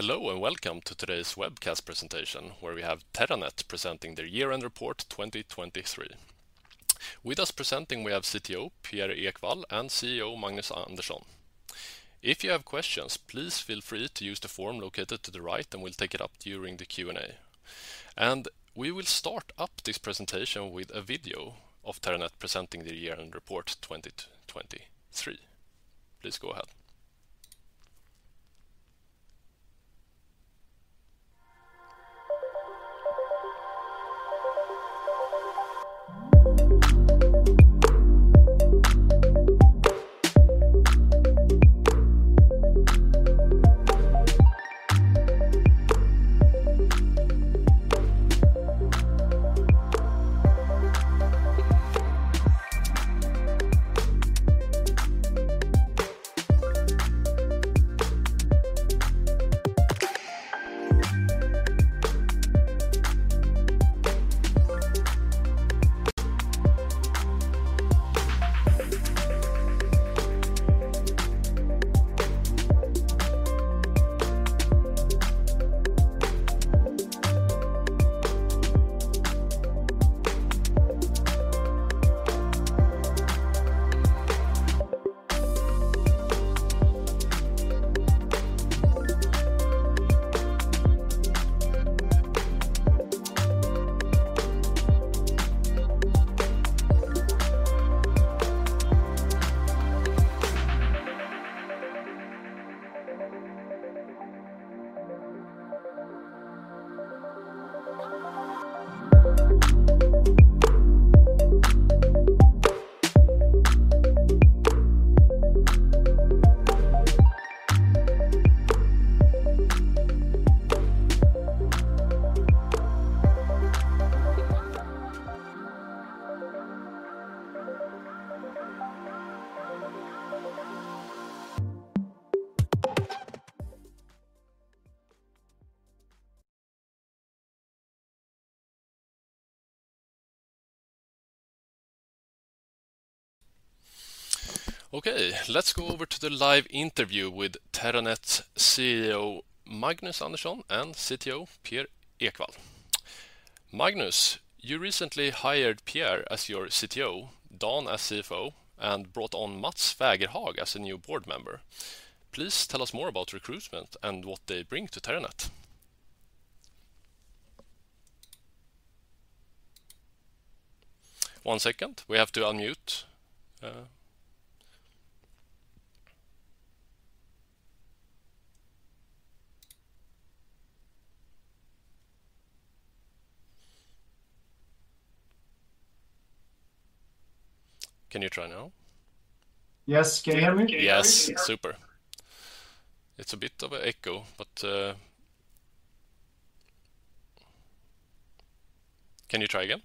Hello, and welcome to today's webcast presentation, where we have Terranet presenting their year-end report 2023. With us presenting, we have CTO Pierre Ekwall and CEO Magnus Andersson. If you have questions, please feel free to use the form located to the right, and we'll take it up during the Q&A. We will start up this presentation with a video of Terranet presenting their year-end report 2023. Please go ahead. Okay, let's go over to the live interview with Terranet's CEO Magnus Andersson and CTO Pierre Ekwall. Magnus, you recently hired Pierre as your CTO, Dan as CFO, and brought on Mats Fägerhag as a new board member. Please tell us more about recruitment and what they bring to Terranet. One second, we have to unmute. Can you try now? Yes. Can you hear me? Yes. Super. It's a bit of an echo, but, can you try again?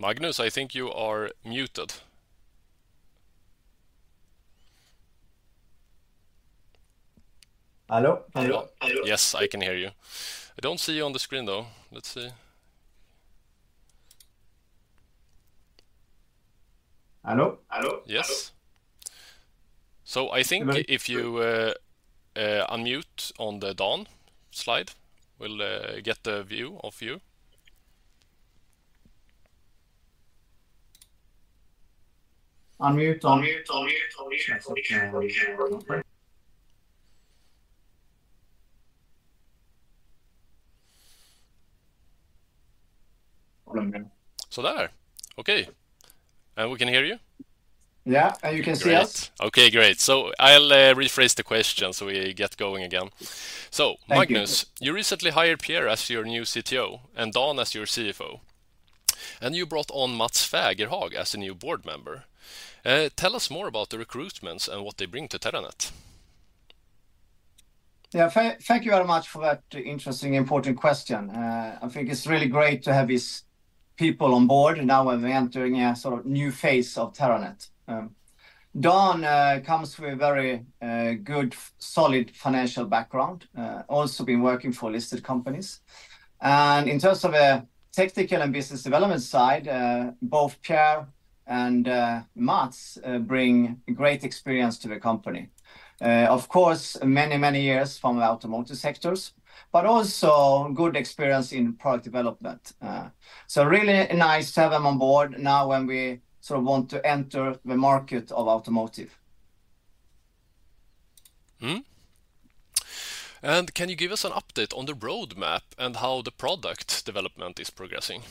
Magnus, I think you are muted. Hello? Hello. Hello. Yes, I can hear you. I don't see you on the screen, though. Let's see. Hello? Hello. Yes. So I think if you unmute on the Dan slide, we'll get the view of you. Unmute. Unmute. Unmute. So there, okay, and we can hear you? Yeah, and you can see us? Okay, great. I'll rephrase the question, so we get going again. Thank you. So, Magnus, you recently hired Pierre as your new CTO and Dan as your CFO, and you brought on Mats Fägerhag as a new board member. Tell us more about the recruitments and what they bring to Terranet. Yeah, thank you very much for that interesting, important question. I think it's really great to have these people on board, and now we're entering a sort of new phase of Terranet. Dan comes with a very good, solid financial background, also been working for listed companies. And in terms of a technical and business development side, both Pierre and Mats bring great experience to the company. Of course, many, many years from the automotive sectors, but also good experience in product development. So really nice to have them on board now, when we sort of want to enter the market of automotive. Mm-hmm. And can you give us an update on the roadmap and how the product development is progressing?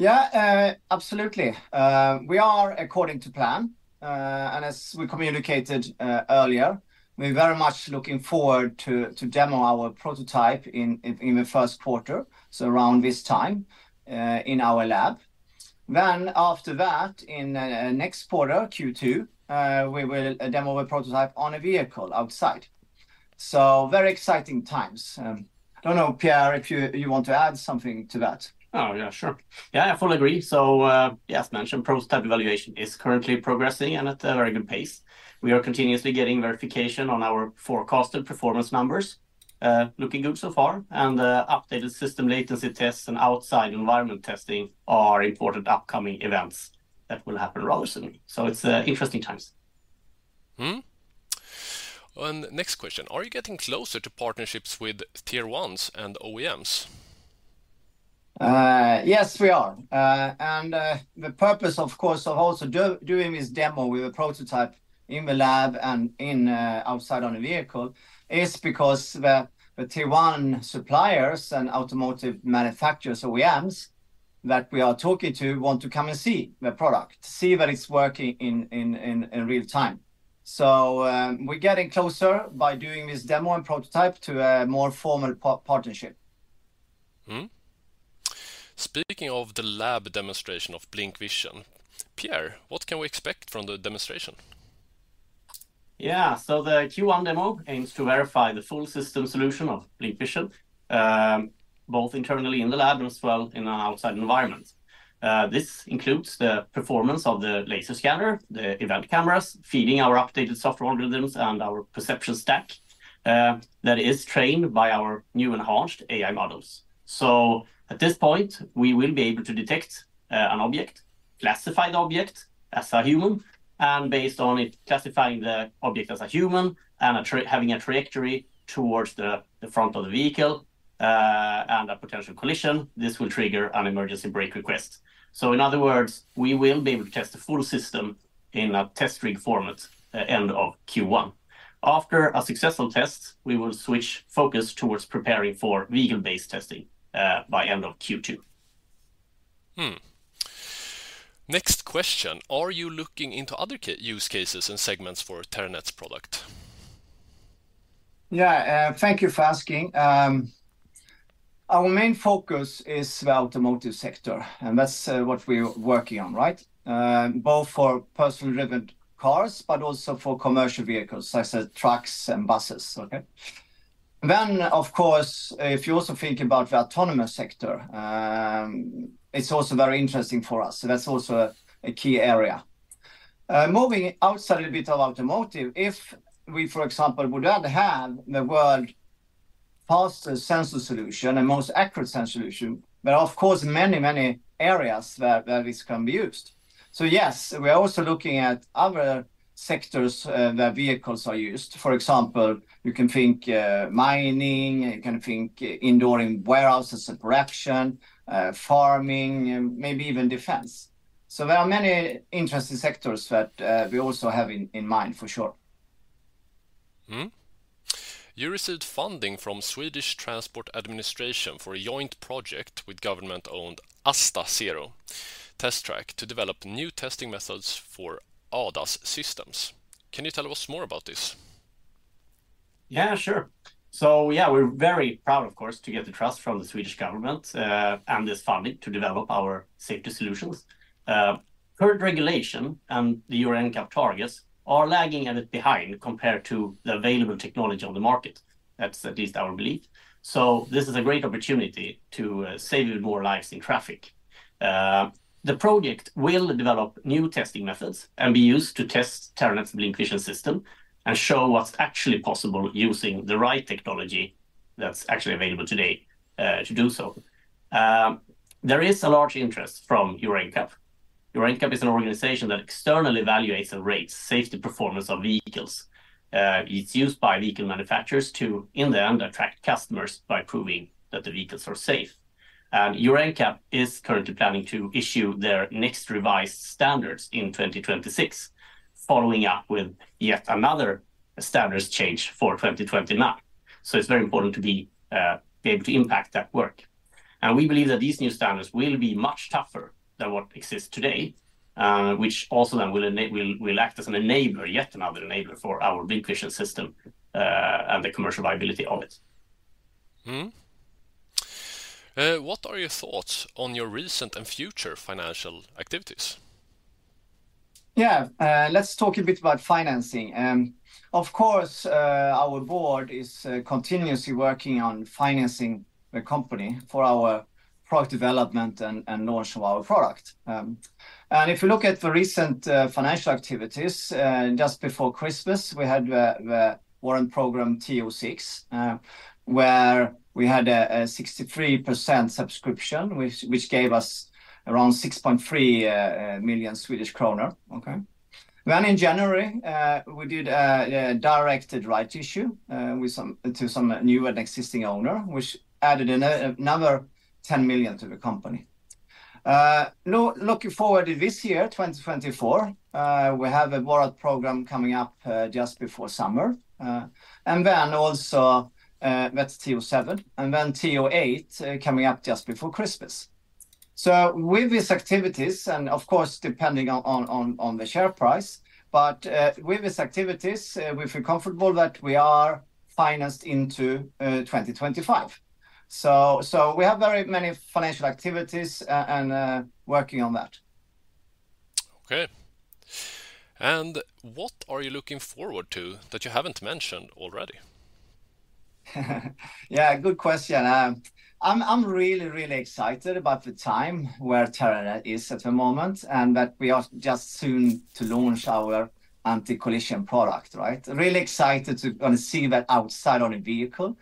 Yeah, absolutely. We are according to plan, and as we communicated earlier, we're very much looking forward to demo our prototype in the first quarter, so around this time, in our lab. Then after that, in next quarter, Q2, we will demo a prototype on a vehicle outside. So very exciting times. I don't know, Pierre, if you want to add something to that? Oh, yeah, sure. Yeah, I fully agree. So, yeah, as mentioned, prototype evaluation is currently progressing and at a very good pace. We are continuously getting verification on our forecasted performance numbers. Looking good so far, and updated system latency tests and outside environment testing are important upcoming events that will happen rather soon. So it's interesting times. Mm-hmm. And next question: Are you getting closer to partnerships with Tier 1s and OEMs? Yes, we are. The purpose, of course, of also doing this demo with a prototype in the lab and outside on a vehicle, is because the Tier 1 suppliers and automotive manufacturers, OEMs, that we are talking to want to come and see the product, see that it's working in real time. So, we're getting closer by doing this demo and prototype to a more formal partnership. Mm-hmm. Speaking of the lab demonstration of BlincVision, Pierre, what can we expect from the demonstration? Yeah, so the Q1 demo aims to verify the full system solution of BlincVision, both internally in the lab as well in an outside environment. This includes the performance of the laser scanner, the event cameras, feeding our updated software algorithms, and our perception stack, that is trained by our new enhanced AI models. So at this point, we will be able to detect, an object, classify the object as a human, and based on it classifying the object as a human and having a trajectory towards the front of the vehicle, and a potential collision, this will trigger an emergency brake request. So in other words, we will be able to test the full system in a test rig format at end of Q1. After a successful test, we will switch focus towards preparing for vehicle-based testing by end of Q2. Hmm. Next question: Are you looking into other use cases and segments for Terranet's product? Yeah, thank you for asking. Our main focus is the automotive sector, and that's what we're working on, right? Both for personally driven cars, but also for commercial vehicles, such as trucks and buses, okay? Then, of course, if you also think about the autonomous sector, it's also very interesting for us, so that's also a key area. Moving outside a bit of automotive, if we, for example, would then have the world's fastest sensor solution and most accurate sensor solution, there are, of course, many, many areas where this can be used. So yes, we are also looking at other sectors where vehicles are used. For example, you can think mining, you can think indoor in warehouses and production, farming, and maybe even defense. So there are many interesting sectors that we also have in mind, for sure. Mm-hmm. You received funding from Swedish Transport Administration for a joint project with government-owned AstaZero test track to develop new testing methods for ADAS systems. Can you tell us more about this? Yeah, sure. So yeah, we're very proud, of course, to get the trust from the Swedish government, and this funding to develop our safety solutions. Current regulation and the Euro NCAP targets are lagging a bit behind compared to the available technology on the market. That's at least our belief. So this is a great opportunity to save more lives in traffic. The project will develop new testing methods and be used to test Terranet's BlincVision system and show what's actually possible using the right technology that's actually available today, to do so. There is a large interest from Euro NCAP. Euro NCAP is an organization that externally evaluates and rates safety performance of vehicles. It's used by vehicle manufacturers to, in the end, attract customers by proving that the vehicles are safe. Euro NCAP is currently planning to issue their next revised standards in 2026, following up with yet another standards change for 2029. So it's very important to be able to impact that work. And we believe that these new standards will be much tougher than what exists today, which also then will act as an enabler, yet another enabler for our BlincVision system, and the commercial viability of it. What are your thoughts on your recent and future financial activities? Yeah, let's talk a bit about financing. Of course, our board is continuously working on financing the company for our product development and launch of our product. And if you look at the recent financial activities, just before Christmas, we had the warrant program TO6, where we had a 63% subscription, which gave us around 6.3 million Swedish kronor, okay? Then in January, we did a directed rights issue to some new and existing owner, which added another 10 million to the company. Looking forward to this year, 2024, we have a warrant program coming up just before summer. And then also, that's TO7, and then TO8, coming up just before Christmas. So with these activities, and of course, depending on the share price, but with these activities, we feel comfortable that we are financed into 2025. So we have very many financial activities, and working on that. Okay. What are you looking forward to that you haven't mentioned already? Yeah, good question. I'm really, really excited about the time where Terranet is at the moment, and that we are just soon to launch our anti-collision product, right? Really excited to see that outside on a vehicle,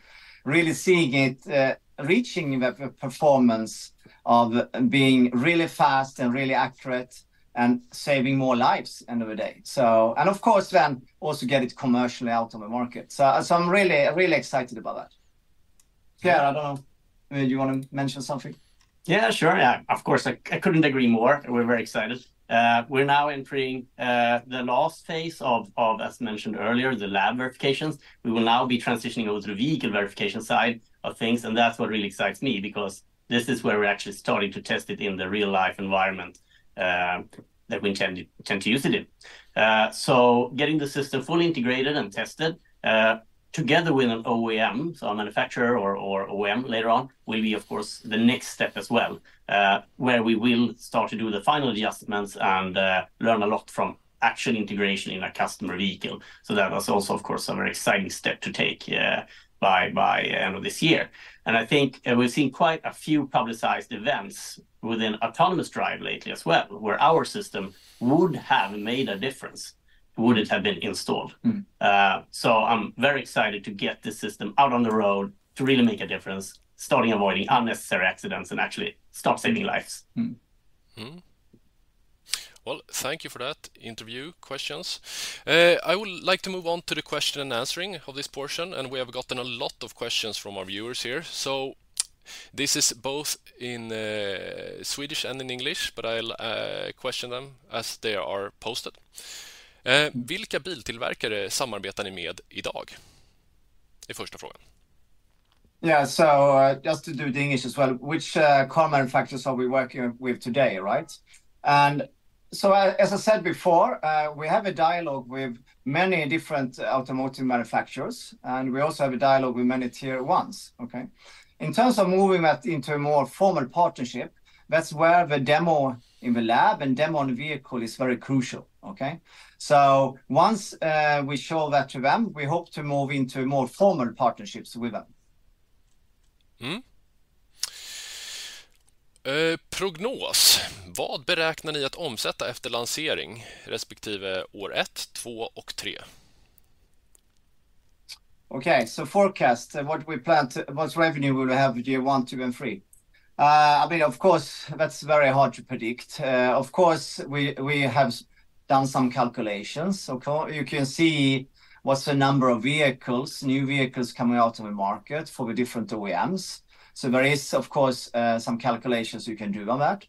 really seeing it reaching the performance of being really fast and really accurate and saving more lives at the end of the day. So, and of course, then also get it commercially out on the market. So I'm really, really excited about that. Yeah, I don't know. Do you want to mention something? Yeah, sure. Yeah, of course, I couldn't agree more. We're very excited. We're now entering the last phase of, as mentioned earlier, the lab verifications. We will now be transitioning over to the vehicle verification side of things, and that's what really excites me, because this is where we're actually starting to test it in the real-life environment that we intend to use it in. So getting the system fully integrated and tested together with an OEM, so a manufacturer or OEM later on, will be, of course, the next step as well, where we will start to do the final adjustments and learn a lot from actual integration in a customer vehicle. So that is also, of course, a very exciting step to take, yeah, by end of this year. I think we've seen quite a few publicized events within autonomous drive lately as well, where our system would have made a difference, would it have been installed? Mm-hmm. So I'm very excited to get this system out on the road to really make a difference, starting avoiding unnecessary accidents and actually start saving lives. Mm-hmm. Mm-hmm. Well, thank you for that interview questions. I would like to move on to the question and answering of this portion, and we have gotten a lot of questions from our viewers here. So this is both in Swedish and in English, but I'll question them as they are posted. Yeah, so just to do the English as well, which car manufacturers are we working with today, right? And so as I said before, we have a dialogue with many different automotive manufacturers, and we also have a dialogue with many Tier 1s, okay? In terms of moving that into a more formal partnership, that's where the demo in the lab and demo on the vehicle is very crucial, okay? So once we show that to them, we hope to move into more formal partnerships with them. Mm-hmm. Okay, so forecast, what revenue will we have year one, two, and three? I mean, of course, that's very hard to predict. Of course, we have done some calculations. So you can see what's the number of vehicles, new vehicles coming out of the market for the different OEMs. So there is, of course, some calculations you can do on that.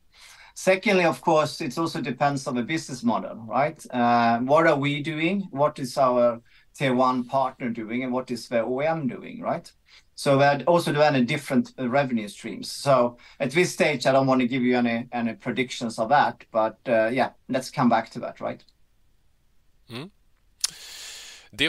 Secondly, of course, it also depends on the business model, right? What are we doing? What is our Tier 1 partner doing, and what is the OEM doing, right? So that also there are different revenue streams. So at this stage, I don't want to give you any predictions of that, but, yeah, let's come back to that, right? Mm-hmm.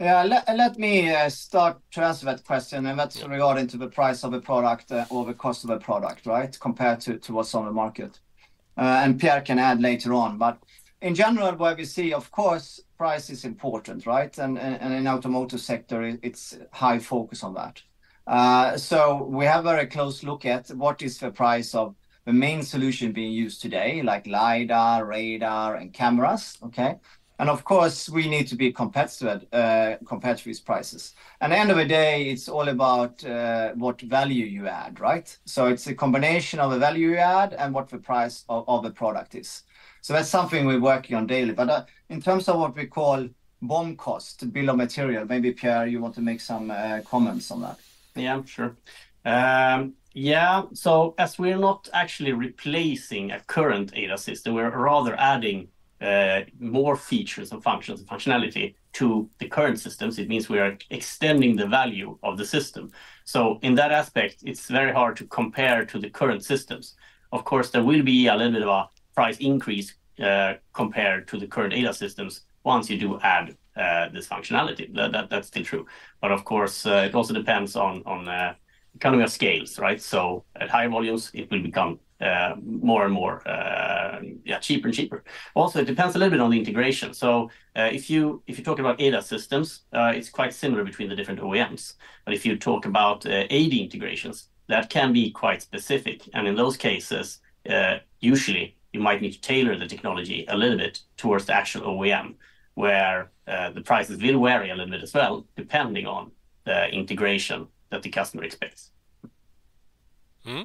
Yeah. Let me start to answer that question, and that's regarding to the price of the product or the cost of the product, right, compared to what's on the market. And Pierre can add later on, but in general, what we see, of course, price is important, right? And in automotive sector, it's high focus on that. So we have a very close look at what is the price of the main solution being used today, like LiDAR, Radar, and cameras, okay? And of course, we need to be competitive, competitive with prices. At the end of the day, it's all about what value you add, right? So it's a combination of the value you add and what the price of the product is. So that's something we're working on daily. But, in terms of what we call BOM cost, bill of material, maybe, Pierre, you want to make some comments on that. Yeah, sure. Yeah, so as we are not actually replacing a current ADAS system, we're rather adding more features and functions and functionality to the current systems, it means we are extending the value of the system. So in that aspect, it's very hard to compare to the current systems. Of course, there will be a little bit of a price increase compared to the current ADAS systems once you do add this functionality. That's still true. But of course, it also depends on economies of scale, right? So at higher volumes, it will become more and more yeah, cheaper and cheaper. Also, it depends a little bit on the integration. So if you talk about ADAS systems, it's quite similar between the different OEMs. But if you talk about AD integrations, that can be quite specific. And in those cases, usually, you might need to tailor the technology a little bit towards the actual OEM, where the prices will vary a little bit as well, depending on the integration that the customer expects. Mm-hmm.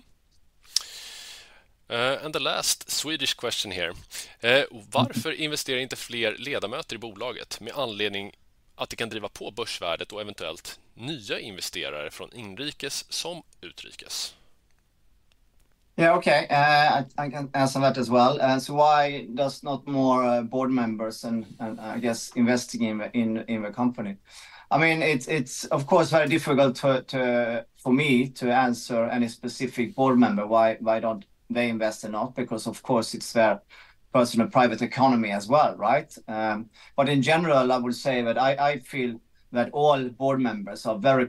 And the last Swedish question here,...... Yeah, okay. I can answer that as well. As why does not more board members and I guess investing in the company? I mean, it's of course very difficult to for me to answer any specific board member, why don't they invest enough? Because, of course, it's their personal private economy as well, right? But in general, I would say that I feel that all board members are very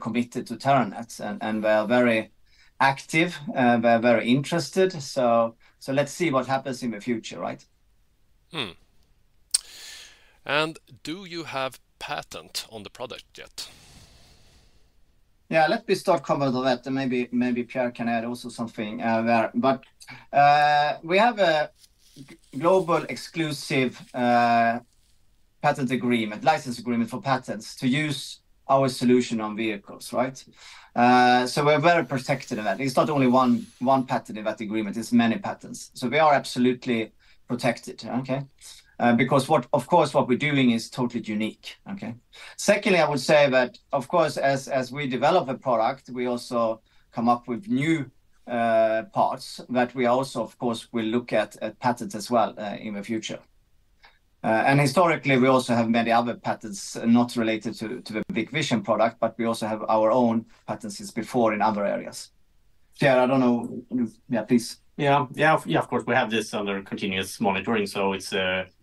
committed to Terranet, and they are very active, they're very interested. So let's see what happens in the future, right? Hmm. And do you have patent on the product yet? Yeah, let me start cover that, and maybe, maybe Pierre can add also something, there. But, we have a global exclusive, patent agreement, license agreement for patents to use our solution on vehicles, right? So we're very protected of that. It's not only one patent in that agreement, it's many patents. So we are absolutely protected, okay? Because what, of course, what we're doing is totally unique, okay? Secondly, I would say that, of course, as we develop a product, we also come up with new parts that we also, of course, will look at patents as well, in the future. And historically, we also have many other patents not related to the BlincVision product, but we also have our own patents since before in other areas. Pierre, I don't know if... Yeah, please. Yeah. Yeah, yeah, of course, we have this under continuous monitoring, so it's,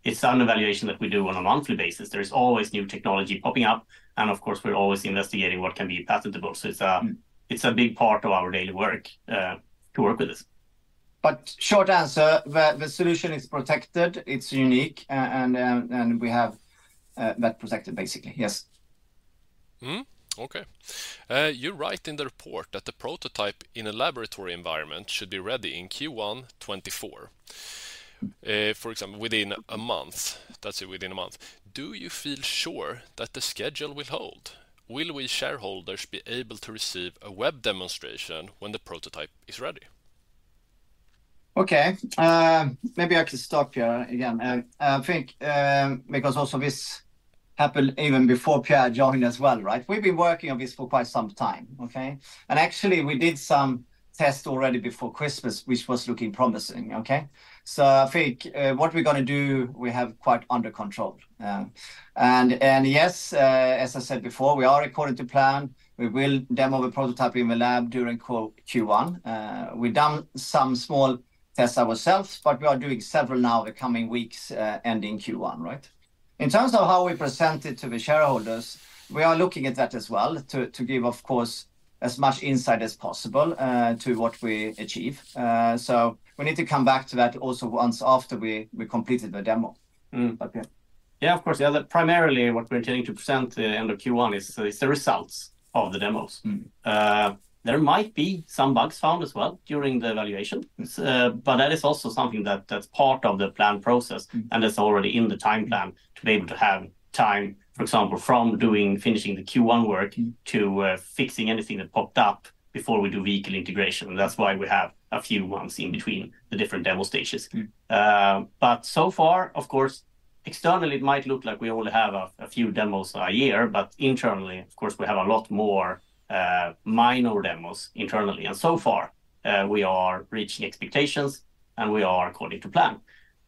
it's an evaluation that we do on a monthly basis. There is always new technology popping up, and of course, we're always investigating what can be patentable. So it's a- Mm... it's a big part of our daily work, to work with this. But short answer, the solution is protected, it's unique, and we have that protected, basically. Yes. Okay. You write in the report that the prototype in a laboratory environment should be ready in Q1 2024. For example, within a month. That's it, within a month. Do you feel sure that the schedule will hold? Will we shareholders be able to receive a web demonstration when the prototype is ready? Okay. Maybe I can start, Pierre, again. I think, because also this happened even before Pierre joined as well, right? We've been working on this for quite some time, okay? And actually, we did some test already before Christmas, which was looking promising, okay? So I think, what we're gonna do, we have quite under control. And yes, as I said before, we are according to plan. We will demo the prototype in the lab during call Q1. We've done some small tests ourselves, but we are doing several now the coming weeks, ending Q1, right? In terms of how we present it to the shareholders, we are looking at that as well, to give, of course, as much insight as possible, to what we achieve. So we need to come back to that also once after we completed the demo. Mm. But yeah. Yeah, of course, primarily, what we're trying to present the end of Q1 is, is the results of the demos. Mm. There might be some bugs found as well during the evaluation. Yes. But that is also something that, that's part of the plan process- Mm... and it's already in the time plan to be able to have time, for example, from doing, finishing the Q1 work to, fixing anything that popped up before we do vehicle integration. That's why we have a few months in between the different demo stages. Mm. But so far, of course, externally, it might look like we only have a few demos a year, but internally, of course, we have a lot more minor demos internally. So far, we are reaching expectations, and we are according to plan.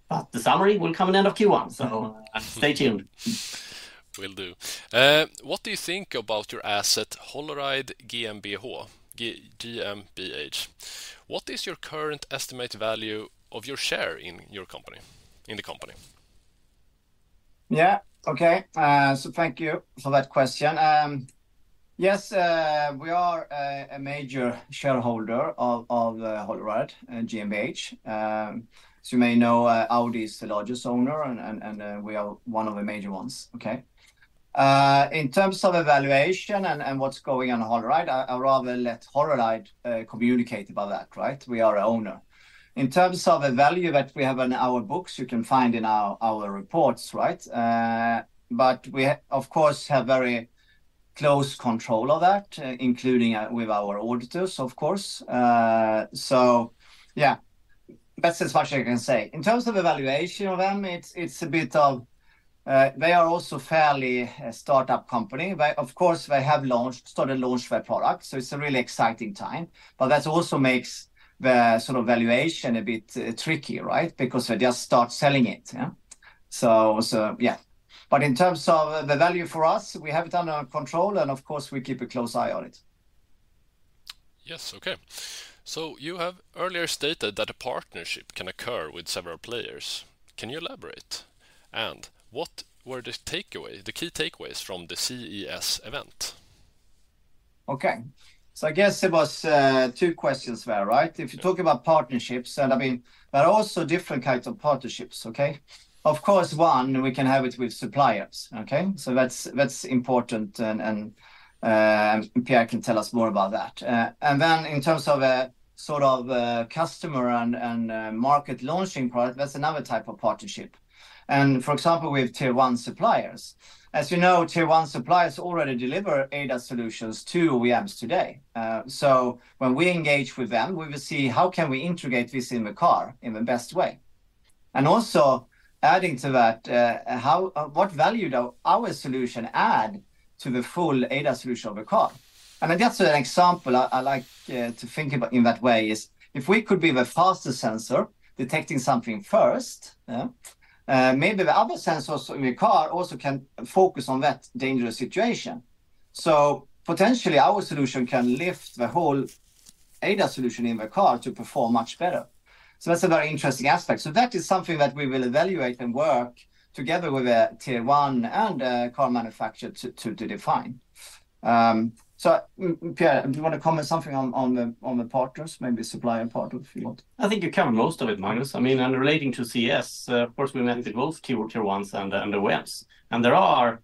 But the summary will come at end of Q1, so stay tuned. Will do. What do you think about your asset, holoride GmbH? What is your current estimated value of your share in your company, in the company? Yeah. Okay. So thank you for that question. Yes, we are a major shareholder of holoride GmbH. So you may know, Audi is the largest owner, and we are one of the major ones. Okay. In terms of evaluation and what's going on holoride, I rather let holoride communicate about that, right? We are a owner. In terms of the value that we have on our books, you can find in our reports, right? But we, of course, have very close control of that, including with our auditors, of course. So yeah, that's as much as I can say. In terms of evaluation of them, it's a bit of, they are also fairly a startup company. But of course, they have launched, started launch their product, so it's a really exciting time. But that also makes the sort of valuation a bit tricky, right? Because they just start selling it. But in terms of the value for us, we have it under control, and of course, we keep a close eye on it. Yes, okay. You have earlier stated that a partnership can occur with several players. Can you elaborate? What were the takeaway, the key takeaways from the CES event? Okay. So I guess it was two questions there, right? Yeah. If you talk about partnerships, and I mean, there are also different kinds of partnerships, okay? Of course, one, we can have it with suppliers, okay? So that's, that's important, and, and, Pierre can tell us more about that. And then in terms of a sort of, customer and, and, market launching product, that's another type of partnership. And, for example, with Tier 1 suppliers. As you know, Tier 1 suppliers already deliver ADAS solutions to OEMs today. So when we engage with them, we will see how can we integrate this in the car in the best way? And also adding to that, how, what value do our solution add to the full ADAS solution of the car? I mean, just an example, I like to think about in that way is if we could be the fastest sensor detecting something first, yeah, maybe the other sensors in the car also can focus on that dangerous situation. So potentially, our solution can lift the whole ADAS solution in the car to perform much better. So that's a very interesting aspect. So that is something that we will evaluate and work together with the Tier 1 and car manufacturer to define. So, Pierre, do you want to comment something on the partners, maybe supplier partner, if you want? I think you covered most of it, Magnus. I mean, relating to CES, of course, we met with both Tier 1s and the OEMs. There are,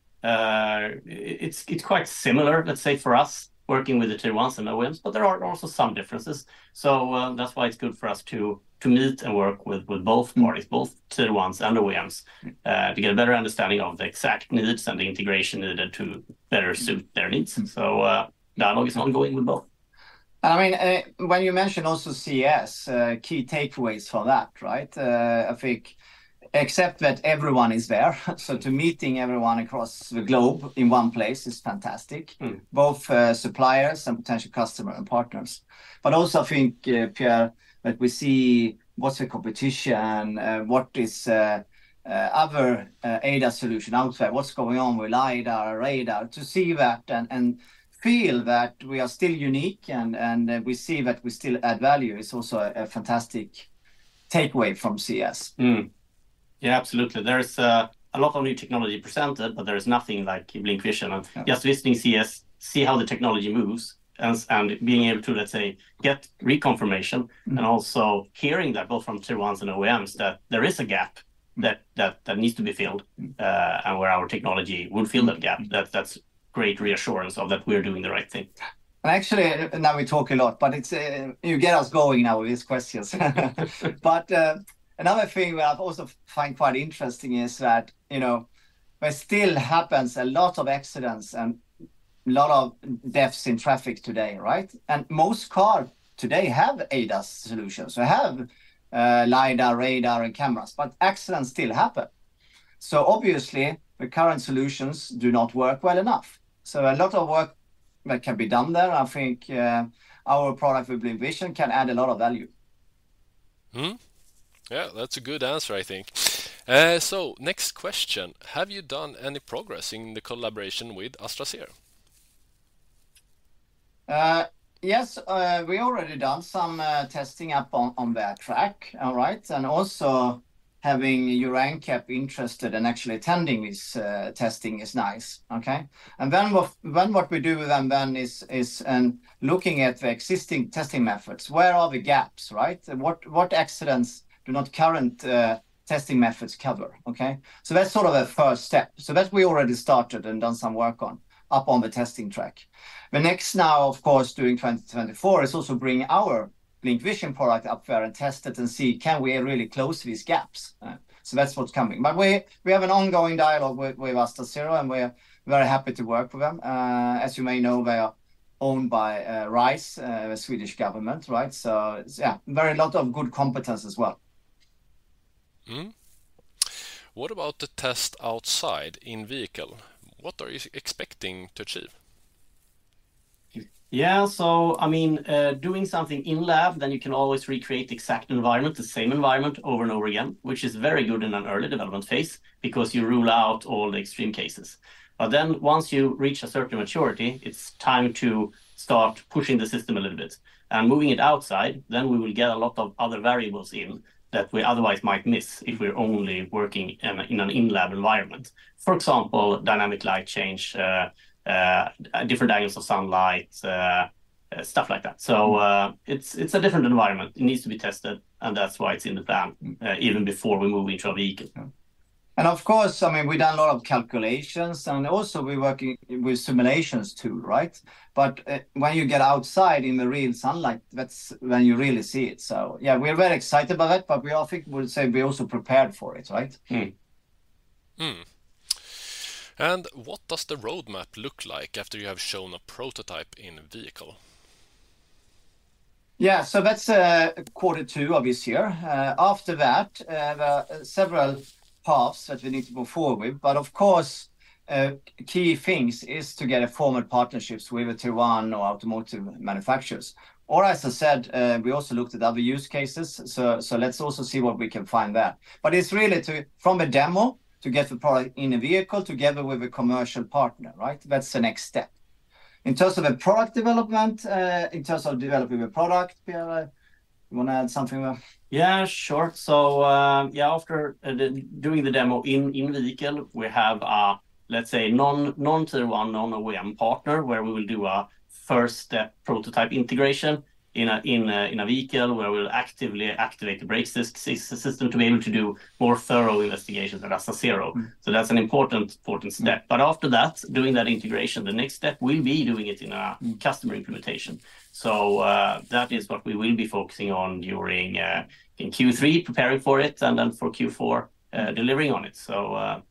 it's quite similar, let's say, for us, working with the Tier 1s and OEMs, but there are also some differences. That's why it's good for us to meet and work with both parties, both Tier 1s and OEMs, to get a better understanding of the exact needs and the integration needed to better suit their needs. Dialogue is ongoing with both. I mean, when you mention also CES, key takeaways for that, right? I think except that everyone is there, so to meeting everyone across the globe in one place is fantastic. Mm.... both suppliers and potential customer and partners. But also think, Pierre, that we see what's the competition, what is other ADAS solution out there, what's going on with LiDAR, Radar, to see that and feel that we are still unique and we see that we still add value is also a fantastic takeaway from CES. Mm. Yeah, absolutely. There is a lot of new technology presented, but there is nothing like BlincVision. Yeah. Just visiting CES, see how the technology moves, and being able to, let's say, get reconfirmation- Mm... and also hearing that both from Tier 1s and OEMs, that there is a gap that needs to be filled, and where our technology will fill that gap. Mm. That's great reassurance of that we're doing the right thing. Actually, now we talk a lot, but it's... You get us going now with these questions. But another thing that I also find quite interesting is that, you know, there still happens a lot of accidents and a lot of deaths in traffic today, right? And most cars today have ADAS solutions. So have LiDAR, radar, and cameras, but accidents still happen. So obviously, the current solutions do not work well enough. So a lot of work that can be done there, I think, our product with BlincVision can add a lot of value. Mm-hmm. Yeah, that's a good answer, I think. So next question: Have you done any progress in the collaboration with AstaZero? Yes, we already done some testing up on their track. All right? And also, having Euro NCAP interested and actually attending this testing is nice, okay? And then what we do with them then is looking at the existing testing methods, where are the gaps, right? And what accidents do not current testing methods cover, okay? So that's sort of a first step. So that we already started and done some work on, up on the testing track. The next now, of course, during 2024, is also bring our BlincVision product up there and test it and see can we really close these gaps, so that's what's coming. But we have an ongoing dialogue with AstaZero, and we're very happy to work with them. As you may know, they are owned by RISE, the Swedish government, right? So, yeah, very lot of good competence as well. What about the test outside in vehicle? What are you expecting to achieve? Yeah, so I mean, doing something in lab, then you can always recreate the exact environment, the same environment over and over again, which is very good in an early development phase because you rule out all the extreme cases. But then once you reach a certain maturity, it's time to start pushing the system a little bit. And moving it outside, then we will get a lot of other variables in that we otherwise might miss if we're only working in an in-lab environment. For example, dynamic light change, different angles of sunlight, stuff like that. So, it's a different environment. It needs to be tested, and that's why it's in the van, even before we move into a vehicle. Yeah. And of course, I mean, we've done a lot of calculations, and also we're working with simulations, too, right? But, when you get outside in the real sunlight, that's when you really see it. So yeah, we're very excited about it, but we all think we'll say we're also prepared for it, right? What does the roadmap look like after you have shown a prototype in vehicle? Yeah, so that's quarter two of this year. After that, there are several paths that we need to move forward with. But of course, key things is to get a formal partnerships with a Tier 1 or automotive manufacturers. Or as I said, we also looked at other use cases, so let's also see what we can find there. But it's really to... From a demo, to get the product in a vehicle together with a commercial partner, right? That's the next step. In terms of the product development, in terms of developing the product, Pierre, you wanna add something there? Yeah, sure. So, yeah, after doing the demo in vehicle, we have a, let's say, non-Tier 1, non-OEM partner, where we will do a first step prototype integration in a vehicle where we'll actively activate the brake system to be able to do more thorough investigations at AstaZero. Mm. So that's an important, important step. But after that, doing that integration, the next step will be doing it in a- Mm... customer implementation. That is what we will be focusing on during, in Q3, preparing for it, and then for Q4, delivering on it.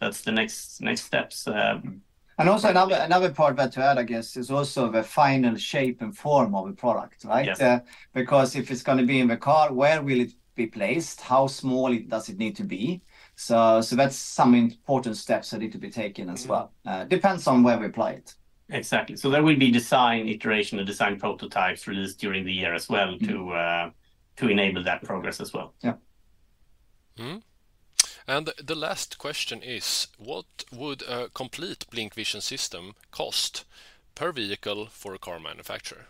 That's the next, next steps, we-... Also another part that to add, I guess, is also the final shape and form of a product, right? Yeah. Because if it's gonna be in the car, where will it be placed? How small does it need to be? So that's some important steps that need to be taken as well. Mm-hmm. Depends on where we apply it. Exactly. So there will be design iteration and design prototypes released during the year as well- Mm... to, to enable that progress as well. Yeah. Mm-hmm. And the last question is, what would a complete BlincVision system cost per vehicle for a car manufacturer?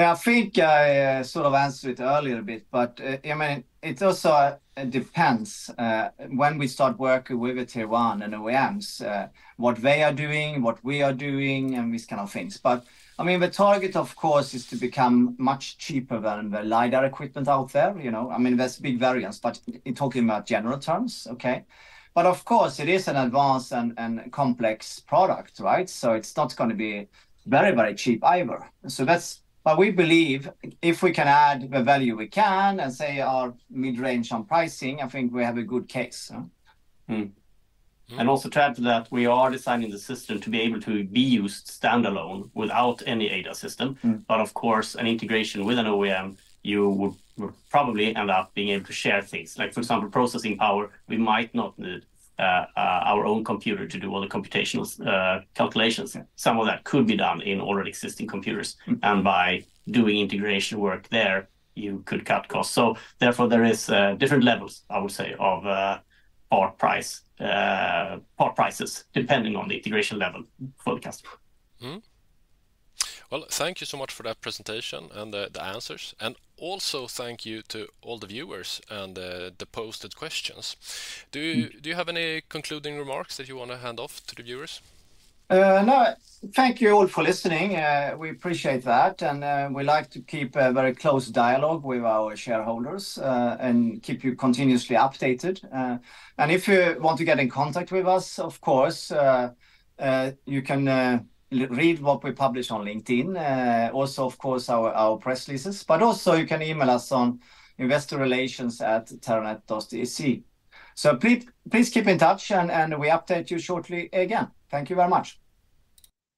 Yeah, I think I sort of answered it earlier a bit, but I mean, it also depends when we start working with the Tier 1 and OEMs what they are doing, what we are doing, and these kind of things. But I mean, the target, of course, is to become much cheaper than the LiDAR equipment out there, you know? I mean, there's big variance, but talking about general terms, okay? But of course, it is an advanced and complex product, right? So that's... But we believe if we can add the value we can and say our mid-range on pricing, I think we have a good case, so. Mm-hmm. Mm. Also to add to that, we are designing the system to be able to be used standalone without any ADAS system. Mm. But of course, an integration with an OEM, you would probably end up being able to share things, like, for example, processing power. We might not need our own computer to do all the computational calculations. Yeah. Some of that could be done in already existing computers. Mm. By doing integration work there, you could cut costs. Therefore, there is different levels, I would say, of part price, part prices, depending on the integration level for the customer. Mm-hmm. Well, thank you so much for that presentation and the, the answers. And also thank you to all the viewers and the posted questions. Mm. Do you have any concluding remarks that you wanna hand off to the viewers? No. Thank you all for listening. We appreciate that, and we like to keep a very close dialogue with our shareholders, and keep you continuously updated. And if you want to get in contact with us, of course, you can read what we publish on LinkedIn, also, of course, our press releases. But also you can email us on investor.relations@terranet.se. So please keep in touch, and we update you shortly again. Thank you very much.